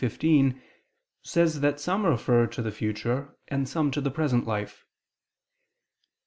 xv) says that some refer to the future, and some to the present life.